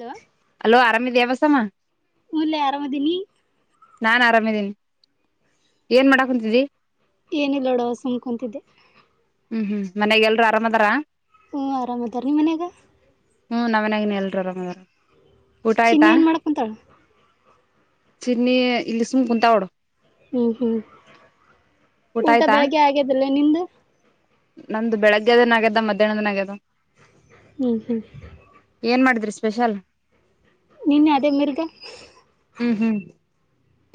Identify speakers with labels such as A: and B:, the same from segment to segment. A: Hello
B: hello ಆರಾಮಿದಿಯಾ ಬಸಮ್ಮ.
A: ಹುಂನ್ಲೆ ಅರಾಮದಿನಿ.
B: ನಾನು ಆರಾಮಿದಿನಿ ಏನ್ ಮಾಡಕುಂತಿದಿ.
A: ಏನಿಲ್ಲ ಬಿಡವ ಸುಮ್ ಕುಂತಿದ್ದೆ.
B: ಹ್ಮ್ ಹ್ಮ್ ಮನೆಗ್ ಎಲ್ರು ಆರಾಮದರ.
A: ಹ್ಮ್ಮ್ ಆರಾಮದಾರ್ ನಿಮ್ಮ ಮನ್ಯಾಗ.
B: ಹ್ಮ್ ನಮ್ ಮನೆಗೂನೂ ಎಲ್ರು ಆರಾಮದರ ಊಟ ಆಯ್ತ.
A: ಚಿನ್ನಿ ಏನ್ ಮಾಡಕುಂತಾಳ
B: ಇಲ್ಲೀ ಇಲ್ ಸುಮ್ ಕುಂತಾಳ್ ನೊಡು.
A: ಹ್ಮ್ ಹ್ಮ್ ಊಟ ಬೆಳಗ್ಗೆ ಆಗೆದ್ರಿಲ್ಲ ನಿಂದು.
B: ನಮ್ದು ಬೆಳಗ್ಗೆದನ ಆಗ್ಯದ ಮಧ್ಯಾಹ್ನದನ ಆಗ್ಯದ.
A: ಹ್ಮ್ ಹ್ಮ್.
B: ಏನ್ ಮಾಡಿದ್ರಿ ಸ್ಪೆಷಲ್.
A: ನಿನ್ನೆ ಅದೆ ಮಿರ್ಗ.
B: ಹ್ಮ್ ಹ್ಮ್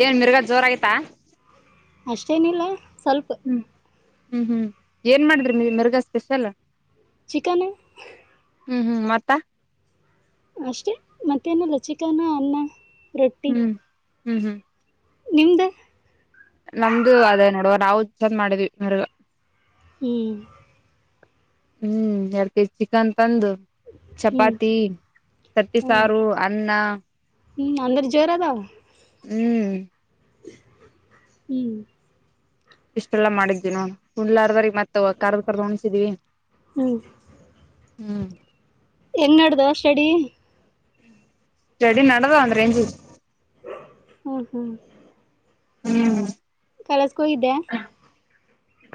B: ಏನ್ ಮಿರ್ಗಾ ಜೋರ್ ಅಗೆತ.
A: ಅಷ್ಟೇನಿಲ್ಲ ಸ್ವಲ್ಪ.
B: ಹ್ಮ್ ಹ್ಮ್ ಹ್ಮ್ ಏನ್ ಮಾಡಿದ್ರಿ ಮ್ ಮಿರ್ಗಾ ಸ್ಪೆಷಲ್.
A: ಚಿಕನು.
B: ಹ್ಮ್ ಹ್ಮ್ ಮತ್ತ.
A: ಅಷ್ಟೇ ಮತ್ತೇನುಲ್ಲ ಚಿಕನ್ನು ಅನ್ನ. ರೊಟ್ಟಿ
B: ಹ್ಮ್ ಹ್ಮ್ ಹ್ಮ್.
A: ನಿಮ್ದ.
B: ನಮ್ದು ಅದೇ ನೋಡುವ ನಾವು ಚಂಕನ್ ಮಾಡಿದ್ವಿ ಮಿರ್ಗ.
A: ಹ್ಮ್.
B: ಹ್ಮ್ ಎರ್ಡ್ ಪೀಸ್ ಚಿಕನ್ ತಂದು.
A: ಹ್ಮ್
B: ಚಪಾತಿ ತಟಿ
A: ಹ್ಮ್
B: ಸಾರು ಅನ್ನ.
A: ಹ್ಮ್ ಅಂದ್ರೆ ಜೋರದ.
B: ಹ್ಮ್.
A: ಹ್ಮ್.
B: ಇಷ್ಟೆಲ್ಲಾ ಮಾಡಿದ್ವಿ ನೊಡು ಉಂಡ್ಲಾರ್ದರಿಗ್ ಮತ್ತ ಕರ್ದ ಕರ್ದ ಉಣ್ಸಿದ್ವಿ.
A: ಹ್ಮ್
B: ಹ್ಮ್ಮ್.
A: ಎನ್ಡ್ದ ಸ್ಟಡಿ
B: ಸ್ಟಡಿ ನಡದ ಒಂದ್ರ ರೇಂಜ್
A: ಹ್ಮ್ ಹ್ಮ್
B: ಹ್ಮ್
A: ಕಲಸಕೋ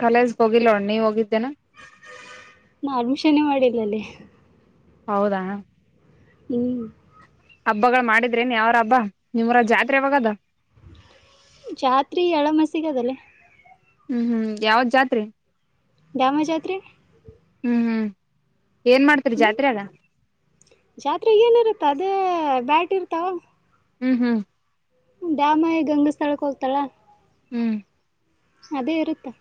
B: ಕಲೇಜ್ಗೆ ಹೋಗಿಲ್ಲೋಣ್ಣ ನೀವ ಹೋಗಿದ್ದೇನಾ
A: ನಾ ಅಡ್ಮಿಷನ್ ಮಾಡಿಲ್ಲಲ್ಲಿ
B: ಹೌದಾ
A: ಹ್ಮ್
B: ಹಬ್ಬಗಳು ಮಾಡಿದ್ರೇನ್ ಯಾವ್ರ ಹಬ್ಬ ನಿಮ್ಮರ ಜಾತ್ರೆ ಯಾವಾಗದ
A: ಜಾತ್ರೆ ಎಳ ಮಸಿಗ ಅದಲ್ಲ
B: ಹ್ಮ್ ಹ್ಮ್ ಯಾವತ್ ಜಾತ್ರಿ
A: ದ್ಯಾಮ ಜಾತ್ರೆ
B: ಹ್ಮ್ ಹ್ಮ್ ಏನ್ ಮಾಡ್ತರಿ ಜಾತ್ರೆ ಅಲ್ಲ
A: ಜಾತ್ರೆ ಏನಿರುತ್ತ ಅದೇ ಬ್ಯಾಟ್ ಇರ್ತಾವ
B: ಹ್ಮ್ ಹ್ಮ್
A: ಡಾಮ ಗಂಗಾಸ್ಥಳಕ್ಕೆ ಹೋಗ್ತಾರಾ
B: ಹ್ಮ್
A: ಅದೇ ಇರುತ್ತೆ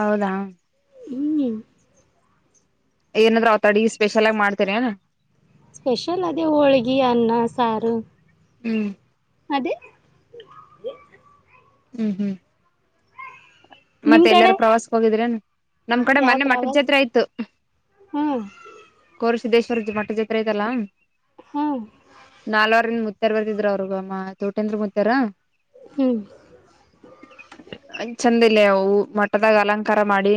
B: ಹೌದಾ
A: ಇ
B: ಏನಾದ್ ಅವ ತಡಿಗೆ ಸ್ಪೆಷಲ್ ಆಗ ಮಾಡ್ತೀರಿಏ
A: ಸ್ಪೆಷಲ್ ಅದೇ ಹೋಳ್ಗಿ ಅನ್ನ ಸಾರು
B: ಹ್ಮ್
A: ಅದ
B: ಹ್ಮ್ ಹ್ಮ್
A: ನಿಮ್
B: ಮತ್ತೆ
A: ಕಡೆ
B: ಎಲ್ಲರೂ ಪ್ರವಾಸಕ್ ಹೋಗಿದ್ರ ನಮ್ ಕಡೆ
A: ಯಾವ
B: ಮೊನೆೆ ಮಟ್ಟದ
A: ಪ್ರವಾಸ
B: ಜಾತ್ರೆ ಆಯ್ತು
A: ಹ್ಮ್
B: ಕೋರ್ ಸಿದ್ದೇಶ್ವರ ಜ ಮಟ್ಟದ ಜತ್ರ ಐತಲ್ಲಾ
A: ಹ್ಮ್
B: ನಾಲ್ವರ್ನ್ ಮುತ್ತಾರ್ ಬರ್ತಿದ್ರ ಅವ್ರಗಮ್ಮ ತೋಟ ಅಂದ್ರ ಮುತ್ತಾರ
A: ಹ್ಮ್
B: ಚಂದ ಇಲ್ಲ ಅವು ಮಠದಾಗ ಅಲಂಕಾರ ಮಾಡಿ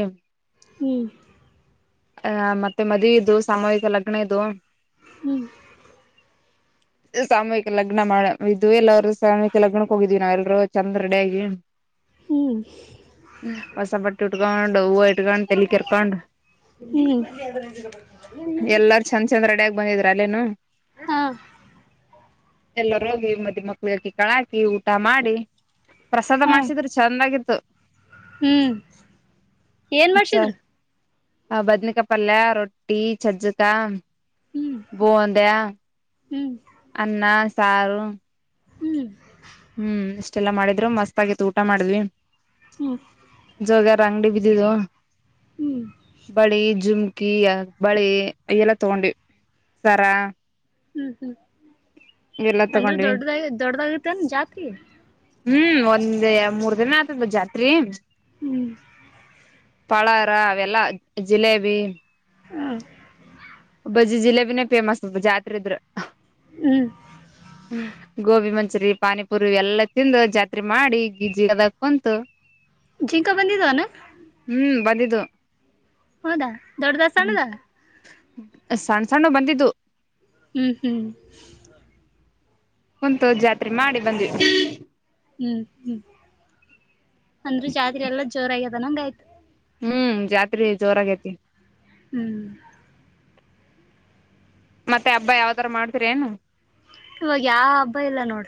A: ಹ್ಮ್
B: ಅ ಮತ್ತೆ ಮದಿವಿ ಇದು ಸಾಮೂಹಿಕ ಲಗ್ನ ಇದು
A: ಹ್ಮ್
B: [inaudible] ಸಾಮೂಹಿಕ ಲಗ್ನ ಮಾಡ ಇದು ಎಲ್ಲರ ಸಾಮೂಹಿಕ ಲಗ್ನಕ್ಕ ಹೋಗಿದೀವಿ ನಾವೆಲ್ರರು ಚಂದ ರೆಡಿ ಆಗಿ
A: ಹ್ಮ್
B: ಹೊಸ ಬಟ್ಟಿ ಉಟ್ಕೊಂಡ ಹೂವ ಇಟ್ ಕೊಂಡಲ್ಲಿ ತಲಿ ಕೆರ್ಕೊಂಡ್
A: ಹ್ಮ್ ಹ್ಮ್
B: ಎಲ್ಲ ಚಂದ ಚಂದ ರೆಡ್ಡ್ಯಾಗಿ ಬಂದಿದ್ರ ಅಲ್ಲಿನು
A: ಹಾ
B: ಎಲ್ಲರ ಹೋಗಿ ಮದ ಮಕ್ಳ ಅಕ್ಕಿ ಕಾಳ ಹಾಕಿ ಊಟ ಮಾಡಿ ಪ್ರಸಾದ
A: ಹಾ
B: ಮಾಡ್ಸಿದ್ರು ಚೆಂದಾಗಿತ್ತು
A: ಹ್ಮ್ ಏನ್
B: ಅಚ್ಚಾ
A: ಮಾಡ್ಸಿದ್ರು
B: [unintelligible] ಆ ಬದನಿಕಾಯಿ ಪಲ್ಯ ರೊಟ್ಟಿ ಚಜ್ಜಕಾ
A: ಹ್ಮ್
B: ಬೂಂಧ್ಯ.
A: ಹ್ಮ್
B: ಅನ್ನ ಸಾರು.
A: ಹ್ಮ್
B: ಹ್ಮ್ ಇಷ್ಟೆಲ್ಲಾ ಮಾಡಿದ್ರು ಮಸ್ತ್ ಆಗಿತ್ತು ಊಟ ಮಾಡಿದ್ವಿ.
A: ಹ್ಮ್
B: ಜೋಗ್ಯಾರ್ ಅಂಗ್ಡಿಗೆ ಬಿದ್ದಿದ್ದೋ.
A: ಹ್ಮ್
B: ಬಳಿ ಜುಮ್ಕಿ ಬಳಿ ಎಲ್ಲ ತಗೊಂಡ್ವಿ ಸರಾ.
A: ಹ್ಮ್ ಹ್ಮ್
B: ಎಲ್ಲ
A: ಅಂದ್ರೆ
B: ತಗೊಂಡ್ವಿ
A: ದೊಡ್ಡದಾಗಿ ದೊಡ್ಡದಾಗತ್ತನ್ ಜಾತ್ರಿ.
B: ಹ್ಮ್ ಒಂದ್ ಎ ಮೂರ್ ದಿನ ಆತದ್ ಜಾತ್ರಿ.
A: ಹ್ಮ್
B: ಪಳಾರ ಅವೆಲ್ಲ ಜಿಲೇಬಿ.
A: ಹ್ಮ್
B: ಬಜ್ಜಿ ಜಿಲೇಬಿನೇ ಫೇಮಸ್ ಜಾತ್ರೆ ಇದ್ರೆ
A: ಹ್ಮ್
B: ಗೋಬಿ ಮ ಚೂರಿ ಪಾನಿಪುರಿ ಎಲ್ಲಾ ತಿಂದು ಜಾತ್ರೆ ಮಾಡಿ ಗಿಜ್ಜಿ ಅದ ಕುಂತು.
A: ಜಿಂಕಾ ಬಂದಿದಾನ.
B: ಹ್ಮ್ ಬಂದಿದ್ದು.
A: ಹೌದಾ ದೊಡ್ಡದಾ
B: ಹ್ಮ್
A: ಸಣ್ಣದಾ?
B: ಸಣ್ಣ ಸಣ್ಣವ್ ಬಂದಿದ್ವು.
A: ಹ್ಮ್ ಹ್ಮ್
B: ಕುಂತು ಜಾತ್ರೆ ಮಾಡಿ ಬಂದ್ವಿ.
A: ಹ್ಮ್ ಹ್ಮ್ ಅಂದ್ರೆ ಜಾತ್ರೆ ಎಲ್ಲ ಜೋರ ಆಗ್ಯದನಂಗ ಆಯ್ತು.
B: ಹ್ಮ್ ಜಾತ್ರೆ ಜೋರಾಗೈತಿ.
A: ಹ್ಮ್
B: ಮತ್ತೆ ಹಬ್ಬ ಯಾವದರ ಮಾಡ್ತಿರೇನು?
A: ಇವಾಗ ಯಾವ ಹಬ್ಬ ಇಲ್ಲ ನೋಡ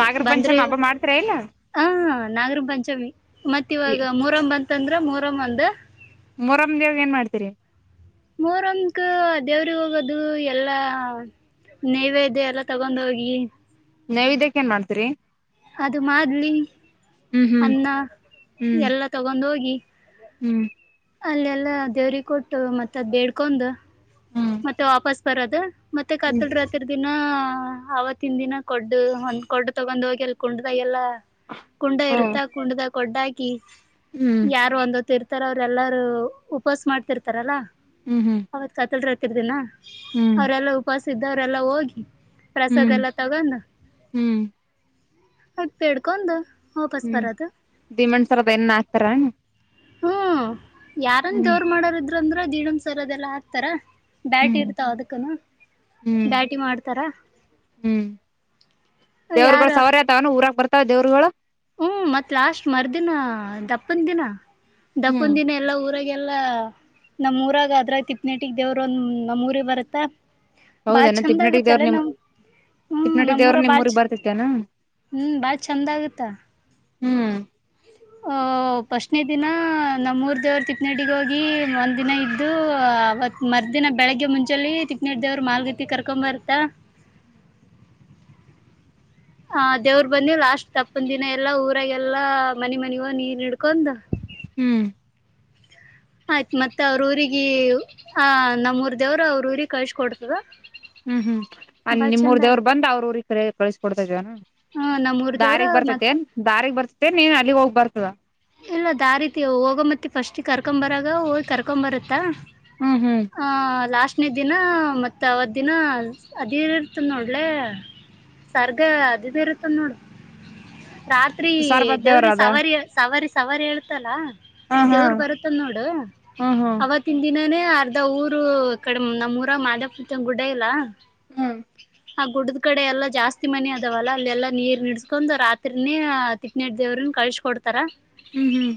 B: ನಾಗರ
A: ಬಂದ್ರೆ
B: ಪಂಚಮಿ
A: ಇವ
B: ಹಬ್ಬ ಮಾಡ್ತೀರಾ ಇಲ್ಲ
A: ಹ ನಾಗರ ಪಂಚಮಿ ಮತ್ ಇವಾಗ ಮೊಹರಂ ಬಂತಂದ್ರ ಮೊರಮ್ ಒಂದು
B: ಮೊರಮ್ ದೇವ್ರ್ಗ್ ಏನ್ ಮಾಡ್ತೀರಿ?
A: ಮೊರಂಗೆ ದೇವ್ರ್ಗು ಹೋಗೋದು ಎಲ್ಲಾ ನೖವೇದ್ಯ ಎಲ್ಲ ತಗೊಂಡ್ ಹೋಗಿ
B: ನೈವೇದ್ಯಕ್ ಏನ್ ಮಾಡ್ತೀರಿ?
A: ಅದು ಮಾಡ್ಲಿ
B: ಹ್ಮ್
A: ಅನ್ನ
B: ಹ್ಮ್
A: ಎಲ್ಲ ತಗೊಂಡೋಗಿ.
B: ಹ್ಮ್
A: ಅಲ್ಲೆಲ್ಲ ದೇವ್ರಿಗ್ ಕೊಟ್ಟು ಮತ್ತ ಅದ ಬೇಡ್ಕೊಂಡು.
B: ಹ್ಮ್
A: ಮತ್ತೆ ವಾಪಸ್ ಬರೋದು ಮತ್ತೆ
B: ಹ್ಮ್
A: ಕಾತಲ್ ರಾತ್ರಿ ದಿನಾ ಆವತ್ತಿನ ದಿನ ಗೊಡ್ ಒಂದ್ ಗೊಡ್ ತಗೊಂಡ ಹೋಗಿ ಎಲ್ಲಿ ಗೊಡ್ದಾಗೆಲ್ಲ ಕುಂಡ ಇರುತ್ತಾ ಕುಂಡ್ದಾಗ್ ಗೊಡ್ಡಾಕಿ
B: ಹ್ಮ್
A: ಯಾರು ಒಂದ್ ಹೊತ್ತು ಇರ್ತಾರ ಅವ್ರ ಎಲ್ಲಾರೂ ಉಪಾಸ್ ಮಾಡ್ತಿರ್ತಾರಲ್ಲಾ.
B: ಹ್ಮ್ ಹ್ಮ್
A: ಅವತ್ ಸತ್ತಳರ ಹತ್ತರ್ದಿನ
B: ಹ್ಮ್
A: ಅವರೆೆಲ್ಲಾ ಉಪವಾಸ ಇದ್ದೋರೆಲ್ಲಾ ಹೋಗಿ
B: ಹ್ಮ್
A: ಪ್ರಸಾದೆಲ್ಲ ತಗಂಡ್
B: ಹ್ಮ್
A: [unintelligible] ವಾಪಸ್ ಬರದು.
B: [unintelligible] ಎನ್ ಹಾಕ್ತಾರಾನು?
A: ಹ್ಮ್ ಯಾರನ್ ದೇವ್ರ ಮಾಡಾರಿದ್ರ ಅಂದ್ರ ದಿಡಂ ಸರದೆಲ್ಲಾ ಹಾಕ್ತಾರ ಬ್ಯಾಟಿ
B: ಹ್ಮ್
A: ಇರ್ತಾವ ಅದಕ್ಕನು
B: ಹ್ಮ್
A: ಬ್ಯಾಟಿ ಮಾಡ್ತಾರ
B: ಹ್ಮ್
A: ಯಾರ
B: ದೇವ್ರಗಳು ಸವಾರ ಆತಾವನು ಊರಕ್ ಬರ್ತಾವ ದೇವ್ರುಗಳು
A: ಹ್ಮ್ ಮತ್ ಲಾಸ್ಟ್ ಮರ್ದಿನ ದಪ್ಪಂದ ದಿನ
B: ಹ್ಮ್
A: ದಪ್ಪನ್ ದಿನೇ ಎಲ್ಲ ಊರಾಗಲ್ಲಾ ನಮ್ಮ್ ಊರಾಗ ಅದ್ರಾಗ ತಿಪ್ಪನೆಟಿಗೆ ದೇವ್ರ ಒಂದ ನಮ್ಮ್ ಊರಿಗೆ ಬರತ್ತಾ ಬಾಳ
B: ಹೌದೇನ
A: ಚಂದ
B: ತಿಪ್ನಟಿ ದೇವ್ರ
A: ಆಗತ್ತಲ್ಲ
B: ನಿಮ್
A: ನಮ್ ಹ್ಮ್
B: ತಿಪ್ನಟಿ ದೇವ್ರ
A: ನಮೂರ ಬಾಳ
B: ನಿಮ್ಮೂರಿಗ್
A: ಚ
B: ಬರ್ತೇತೇನ
A: ಹ್ಮ್ ಬಾಳ ಚಂದ ಆಗತ್ತ
B: ಹ್ಮ್
A: ಅ ಫಸ್ಟ್ನೇ ದಿನ ನಮ್ಮೂಊರ್ ದೇವರು ತಿಕ್ಕನಡಿಗೆ ಹೋಗಿ ಒಂದ ದಿನ ಇದ್ದು ಅವತ್ ಮರ್ನ ಬೆಳಗ್ಗೆ ಮುಂಚೆ ತಿಕ್ನಡ ದೇವ್ರು ಮಾಲ್ಗತ್ತಿ ಕರ್ಕೊ ಬರ್ತಾ ಹ ದೇವ್ರ ಬಂದಿ ಲಾಸ್ಟ್ ತಪ್ಪನ್ ದಿನ ಎಲ್ಲಾ ಊರಾಗಲ್ಲಾ ಮನ ಮನಗ ನೀರ್ ಹಡ್ಕೊಂಡ್
B: ಹ್ಮ್
A: ಆಯ್ತ್ ಮತ್ತೆ ಅವ್ರ ಊರಿಗೆ ಆ ನಮ್ಮೂರ್ ದೇವರು ಅವ್ರ ಊರಿಗೆ ಕಳ್ಸಕ ಕೊಡ್ತದ
B: ಹ್ಮ್ ಹ್ಮ್ ಅ
A: ಬಾಳ ಚಂದ
B: ನಿಮ್ಮೂರ್ ದೇವ್ರು
A: ಆಗತ್ತ
B: ಬಂದ್ ಅವ್ರ ಊರಿಗೆ ಕಳಿಸ ಕೊಡ್ತ ಇದವನ
A: ಹ ನಮ್ಮ ಊರ್ದವ್ರ
B: ಬರ್ತೇನ್ ದಾರಿಗ್ ಬರ್ತೇ ನೀನ್ ಅಲ್ಲಿಗ್ ಹೋಗ್ ಬರ್ತದ
A: ಇಲ್ಲ ದಾರಿತಿ ಹೋಗೋ ಮತ್ತೆ ಫಸ್ಟಿಗೆ ಕರ್ಕೊಂಬರಾಗ ಹೋಗಿ ಕರ್ಕೊ್ ಬರತ್ತಾ
B: ಹ್ಮ್ ಹ್ಮ್
A: ಲಾಸ್ಟ್ನೇ ದಿನ ಮತ್ತು ಅವತ್ತು ದಿನ ಅದೇನ ಇರ್ತದೆ ನೋಡಲೇ ಸರ್ಗ ಅದದ ಇರುತ್ತನ್ ನೋಡ ರಾತ್ರಿ
B: ಸಾರ್ಬತ್ ದೇವ್ರ
A: ದೇವ್ರಿ
B: ಅದ
A: ಸವಾರಿ ಸವಾರಿ ಸವಾರಿ ಹೇಳ್ತಲ್ಲಾ
B: ಹ ಹಾ
A: ದೇವರು ಬರುತ್ತದ ನೋಡು
B: ಹ್ಮ್ ಹ್ಮ್
A: ಅವತ್ತು ತ್ತನ್ ದಿನಾನೇ ಅರ್ಧ ಊರು ಕಡೆ ನಮ್ಮಊರ ಮಾಧವಪುರ್ ಗುಡ ಇಲ್ಲ
B: ಹ್ಮ್
A: ಹ ಆ ಗುಡದ ಕಡೆ ಎಲ್ಲಾ ಜಾಸ್ತಿ ಮನಿ ಅದವಲ್ಲ ಅಲ್ಲೆಲ್ಲಾ ನೀರ್ ನಿಡ್ಸ್ಕೊಂಡ್ ರಾತ್ರಿನೇ ತಿಟ್ನ ದೇವ್ರನ್ ಕಳ್ಸ ಕೊಡ್ತ ತರ
B: ಹ್ಮ್ ಹ್ಮ್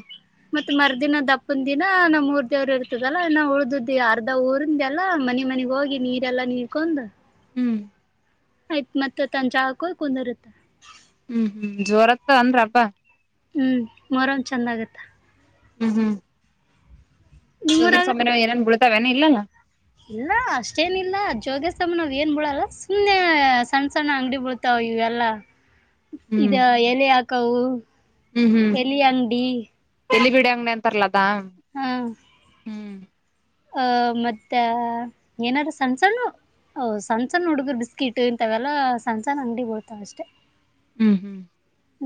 A: ಮತ್ತತ್ ಮರ್ದಿನ ದಪ್ಪನ ದಿನಾ ನಮ್ಮ್ ಮೂರ್ ದೇವ್ರು ಇರ್ತದಲ್ಲಾ ನಾವು ಉಳ್ದ್ದ ಆರ್ ಊರಿಂದೆಲ್ಲಾ ಮನೆ ಮನೆಗ್ ಹೋಗಿ ನೀರೆಲ್ಲಾ ನೀರ್ಕೊಂಡ
B: ಹ್ಮ್
A: ಆಯ್ತ್ ಮತ್ತತ್ ತನ್ ಚಾಕ ಕುಂದರುತ್ತ
B: ಹ್ಮ್ ಹ್ಮ್ ಜೋರತ್ತ ಅಂದ್ರಬ್
A: ಹ್ಮ್ ಮರಂ ಚಂದ ಆಗತ್ತ
B: ಹ್ಮ್ ಹ್ಮ್ ಜೋದ್ರ
A: ನಿಮ್ಮೂರಾಗ
B: ಸಮಯ ನಾವ ಏನೇ ಬಳ್ತಾವೇನ ಇಲ್ಲಾ
A: ಇಲ್ಲ ಅಷ್ಟೇನಿಲ್ಲ ಜೋಗ್ಯಸ್ತಮ ನಾವ್ ಏನ್ ಬಿಡಲ್ಲ ಸುಮ್ಮನೆ ಸಣ್ಣ ಸಣ್ಣ ಅಂಗಡಿ ಬೀಳ್ತಾವ ಇವೆಲ್ಲ
B: [inaudible]
A: ಇದ ಎಲೆ ಹಾಕವು
B: ಹ್ಮ್ ಹ್ಮ್
A: ಎಲೆ ಅಂಡಿ
B: ಎಲ್ಲಿ ಬಿಡಂಗನೆ ಅಂತರಲದಾ
A: ಅಹ ಮತ್ತ ಏನಾದ್ರು ಸಣ್ಣ್ ಸ್ಣ ಓಹ ಸಣ್ಣಣ್ಣ ಹುಡುಗರು ಬಿಸ್ಕಿಟ್ ಇಂತವೆಲ್ಲ ಸಣ್ಣಸಣ್ಣ ಅಂಗಡಿ ಬರ್ತಾವ ಅಷ್ಟೇ
B: ಹ್ಮ್ ಹ್ಮ್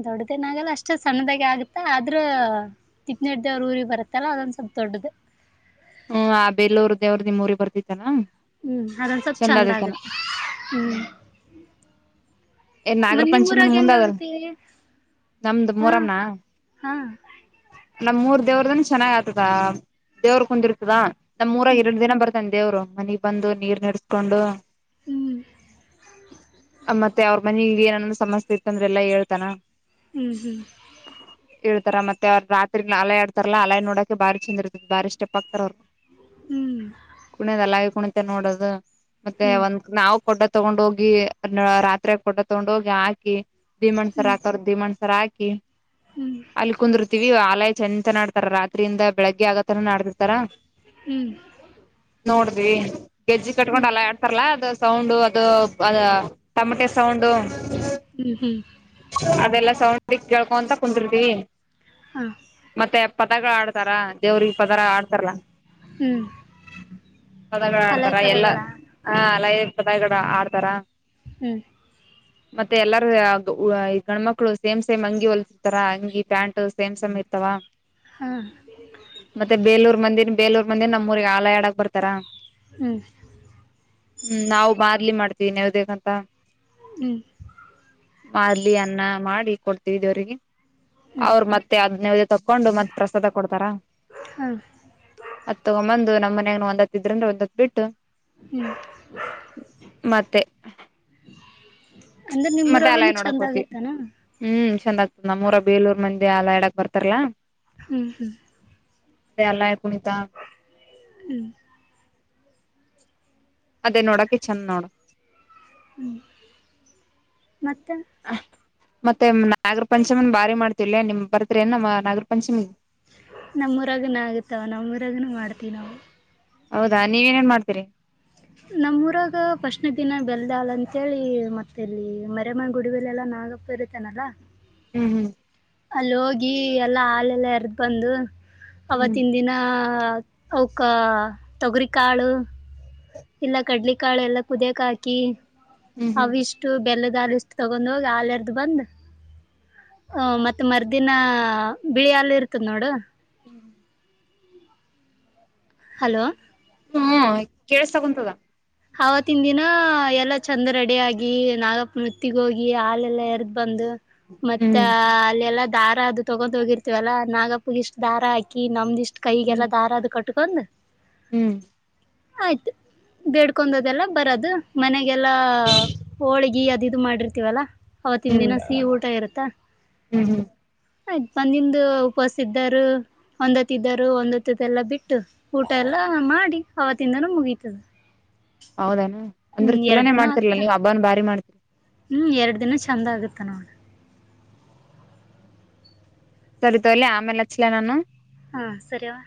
A: ದೊಡ್ಡದನಾಗಲ್ಲ ಅಷ್ಟು ಸಣ್ಣದಾಗೆ ಆಗುತ್ತ ಆದ್ರ ತಿಕ್ನಿಡ್ದೇವ್ರ ಊರಿ ಬತ್ತಲ್ಲ ಅದೊಂದ ಸ್ಲ್ ದೊಡ್ಡದು
B: ಹ್ಮ್ ಆ ಬೆೇಲ್ಲೂರ್ ದೇವ್ರ ನಿಮ್ಮ ಊರಿ ಬರ್ತಿತಾನ
A: ಹ್ಮ್ ಅದಂದ ಸ್ವಲ್ ಚಂದ ಆಗತ್ತೆ ಹ್ಮ್
B: ಏ ನಾಗರ
A: ಮತ್ ನಿಮ್
B: ಪಂಚಮನ್
A: ಊರಾಗ ಹೆಂಗ
B: ಮುಂದಾದಲ್
A: ಆಗತ್ತೆ
B: ನಮ್ದ
A: ಹಾ
B: ಮೂರಮನ
A: ಹಾ
B: ನಮ್ಮ ಊರ ದೇವ್ರದನ್ ಚೆನ್ನಾಗಾ ಆಗ್ತತದ ಅಳ ದೇವ್ರ ಕುಂದಿರ್ತದ ನಮ್ಮ ಊರಾಗ ಎರಡು ದಿನ ಬರ್ತ [inaudible] ನಂದೇವ್ರು ಮನಿಗ್ ಬಂದು ನೀರ್ ನೆಡೆಸ್ಕೊಂಡು. [inaudible]
A: ಹ್ಮ್
B: ಮತ್ತೆ ಅವರ ಮನೀದ ಏನಾರ ಸಮಸ್ಯೆ ಇತ್ತ ಅಂದ್ರೆ ಎಲ್ಲಾ ಹೇಳ್ತಾನ. [inaudible]
A: ಹೂ ಹೂ [inaudible]
B: [inaudible] ಏಳತ್ತಾರ ಮತ್ತೆ ಅವರ ರಾತ್ರಿ ನಾಲಯ ಆಡ್ತಾರಲ್ಲ ಅಲಯ ನೋಡಕ ಬಾರಿ ಚಂದ ಇರ್ತತಿ ಬಾರಿ ಸ್ಟೆಪ್ ಆಗ್ತಾರ ಅವರ
A: ಹ್ಮ್
B: [inaudible] ಕುಣಿಯವಲ್ಲಾ ಈಗ ಕುಣಿತೆ ನೋಡ ಇದ ಮತ್ತೆ
A: ಹ್ಮ್ ಹ್ಮ್
B: ಒಂದ ನಾವು ಕೊಡ [inaudible] ತಗೊಂಡ ಹೋಗಿ ನಾ ರಾತ್ರಿ ಕೊಟ್ಟ ತಗೊಂಡ ಹೋಗಿ ಹಾಕಿ ಭೀಮಣ್ಣ
A: ಹ್ಮ್ ಹ್ಮ್
B: ಕರಾದ [inaudible] ದಿಮಣ್ಸರ ಹಾಕಿ ಅಲ್ಲಿ ಕುಂದರ್ತೀವಿ ಆಲಯ [inaudible] ಚ ಚನಾ ಆಡ್ತಾರ ರಾತ್ರಿಯಿಂದ ಬೆಳಿಗ್ಗೆ ಆಗತನ ಆಡ್ತಿತಿರತ್ತಾರ.
A: ಹ್ಮ್
B: [inaudible] ನೋಡ್ರಿ ಗೆಜ್ಜಿ ಕಟ್ಕೊಂಡ್
A: ಹ್ಮ್
B: ಅಲ್ಲ [inaudible] ತರಲ್ಲ ಅದು ಸೌಂಡು ಅದು ಅದ ಟಮಟೆ ಸೌಂಡು. [inaudible]
A: ಹೂ ಹೂ [inaudible]
B: ಅದೆಲ್ಲ ಸೌಂಡಕ್ ಕೇಳ್ಕೊಂತ ಕುಂತರ್ತಿ. [inaudible]
A: ಹಾ [inaudible]
B: ಮತ್ತೆ ಪದಗಳು ಹಾಡ್ತಾರ ದೇವ್ರಿಗೆ ಪದರ ಹಾಡ್ತಾರಾ ಅಲ್ಲಾ? [inaudible]
A: ಹೂ [inaudible] [unintelligible]
B: ಪದಗಳ ಹಾಡ್ತಾರ ಎಲ್ಲಾ ಆಲಯ ಪದಗಡ ಹಾಡ್ತಾರ. [inaudible]
A: ಹ [inaudible]
B: ಮತ್ತೆ ಎಲ್ಲಾರ ಆ ವ ಗಂಡಮಕ್ಳು ಸೇಮ್ ಸೇಮ್ ಅಂಗಿ ಹೊಲ್ಸ [inaudible] ತರ ಅಂಗಿ ಪ್ಯಾಂಟ್ ಸೇಮ್ ಸೇಮ್ ಇರ್ತವ [inaudible]
A: ಹಾ [inaudible]
B: ಮತ್ತೆ ಬೇಲೂರ್ ಮಂದಿನ ಬೇಲೂರ್ಮಂದಿ ನಮ್ಮೂಊರಿಗೆ ಹಾಡ ಹಾಡಕ್ ಬರ್ತಾರ. [inaudible]
A: ಹೂ [inaudible]
B: ಹೂ ನಾವು ಬಾರ್ಲಿ ಮಾಡ್ತೀವಿ ನ್ಯಾವ್ದೇಕಂತ. [inaudible]
A: ಹೂ [inaudible]
B: ಮಾದಾಲ್ಲಿ ಅನ್ನ ಮಾಡಿ ಕೊಡ್ತಿದಿವರಿಗೆ, [inaudible]
A: ಹ್ಮ್
B: ಅವ್ರ ಮತ್ತೆ ಅದನ್ನವ್ರು ತಕ್ಕೊಂಡು ಮತ್ತ ಪ್ರಸದಾ ಕೊಡ್ತಾರ.
A: ಹಾಂ
B: [inaudible] ಅತ್ ತಗೊಂಬಂದು ನಮ್ಮ ಮನ್ಯಾಗ ಮಾತಾಡ್ತಿದ್ರ ಅವರದ ಒಂದ್ ಬಿಟ್ಟ. [inaudible] ಮತ್ತೆ
A: [inaudible] ಅಂದ್ರೆ ನಿಮ್ಮ ಊರಗನೂ ಚಂದ ಆಗೊತ್ತ ಏನ್ [inaudible]
B: ಹೂ ಚಂದ ಆಗ್ತದ ನಮ್ಮೂರ ಬೇಲೂರ್ ಮಂದಿ ಆಲ ಇಡಾಕ್ ಬರ್ತಾರಲ್ಲಾ? [inaudible]
A: ಹೂ ಹೂ [inaudible]
B: ಏ ಅಲ್ಲಯ ಹಾಕಕೊಡ ಚಾ [inaudible]
A: [inaudible]
B: ಅದೇ ನೋಡಕ ಚಂದ್ [inaudible]
A: ಮತ್ತ [inaudible]
B: ಮತ್ತೆ ನಾಗರ ಪಂಚಮನ್ ಭಾರಿ ಮಾಡ್ತಿ ಲೇ ನಿಮ್ಮ ಬರ್ತರಿ ಏನ್ ನಮ್ಮ ನಾಗರ ಪಂಚಮಿಗೆ? [inaudible]
A: ನಮ್ಮೂರಾಗನ ಆಗುತ್ತಾವ ನಮ್ಮೂರಾಗ ಮಾಡ್ತೀವಿ ನಾವು? [inaudible]
B: ಹೌದಾ ನೀವು ಏನ್ ಮಾಡ್ತೀರಿ. [inaudible]
A: ನಮ್ಮ ಊರಾಗ ಫಸ್ಟ್ನ ದಿನ ಬೆಲ್ದಾಳ ಅಂತೇಳಿ ಮತ್ತ ಇಲ್ಲಿ ಮರೆಅಮ್ಮ ಗುಡಿ ಬೆಲೆಲ್ಲ ನಾಗಪ್ಪ [inaudible] ಕರಿತೇನಲ್ಲಾ? [inaudible]
B: ಹೂ ಹೂ [inaudible]
A: ಅಲ್ಲಿ ಹೋಗಿ ಎಲ್ಲಾ ಹಾಲೆಲ್ಲ ಎರದ ಬಂದು
B: ಹ್ಮ್
A: ಅವತ್ತಿನ ದಿನಾ [inaudible] ಹಾ ತೊಗರಿಕಾಳು. ಇಲ್ಲ ಕಡ್ಲಿಕಾಳು ಎಲ್ಲಾ ಕುದಿಯಕ್ ಹಾಕಿ
B: ಹ್ಮ್ ಹ್ಮ್
A: ಅವಿಷ್ಟ್. ಇಷ್ಟು ಬೆಲ್ಲದಲು ಇಷ್ಟು ತಗೊಂಡ್ ಹೋಗಿ ಆಲೇರ್ದು ಬಂದ್. ಹ ಮತ್ತೆ ಮರ್ದಿನ ಬಿಳಿಹಾಲು ಇರ್ತದ ನೋಡು.
B: ಹ್ಮ್.
A: ಹಲೋ.
B: ಹ್ಮ ಹ ಕೇಳಸ ತಕಂತದ.
A: ಆವತ್ತಿನ ದಿನ ಎಲ್ಲಾ ಚಂದ ರಡಿ ಆಗಿ ನಾಗಪ್ಪನ ಉತ್ತಿಗೆ ಹೋಗಿ ಹಾಲೆಲ್ಲ ಎರ್ದ್. ಬಂದು ಮತ್ತ
B: ಹ್ಮ್
A: ಅಲ್ಲೆಲ್ಲಾ ದಾರ ಅದು ತಗೊಂದು ಹೋಗಿರ್ತ. ಇವೆಲ್ಲಾ ನಾಗಪ್ಪಗೆ ಇಷ್ಟ್. ದಾರ ಹಾಕಿ ನಮ್ದಿಷ್ಟ್
B: ಹ್ಮ್
A: ಕೈಗೆಲ್ಲಾ ದಾರ ಅದು ಕಟ್ಕೊಂಡ್
B: ಹ್ಮ್
A: ಆಯ್ತು ಬೇಡ್ಕೊಂಡದೆಲ್ಲ ಬರದು ಮನೆಗೆಲ್ಲಾ ಹೋಳಗಿ ಅದು ಇದು ಮಾಡಿರ್ತೀವಲ್ಲಾ
B: ಹ್ಮ್
A: ಅವತ್ತಿನ ದಿನ ಸಿಹಿ ಊಟ ಇರುತ್ತಾ
B: ಹ್ಮ್ ಹ್ಮ್
A: ಆಯ್ತತ್ ಬಂದ ನಿಮ್ದು ಉಪವಾಸ ಇದ್ದರು ಒಂದತ್ಿದ್ದರು ಒಂದತ್ತದೆಲ್ಲ ಬಿಟ್ಟು ಊಟ ಎಲ್ಲ ಮಾಡಿ ಅವತ್ತಿಂದನೂ ಮುಗೀತದ
B: ಹೌದನಾ
A: ಹ್ಮ್
B: ಅಂದ್ರ
A: ಎರಡ್
B: ಚಲಾನನೆ
A: ದಿನ
B: ಮಾಡ್ತಿರ್ಲಾ
A: ಆಗುತ್ತಾ.
B: ನೀವು ಹಬ್ಬಾನ್ ಭಾರಿ ಮಾಡ್ತಿರ
A: ಹ್ಮ್ ಎರಡು ದಿನ ಚಂದ ಆಗತ್ತ ನೋಡಿ
B: ಸರಿ ತೋಲಿ ಆಮೇಲೆ ಹಚ್ಲ ನಾನು
A: ಹಾ ಸರಿವಾ